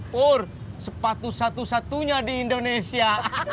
por sepatu satu satunya di indonesia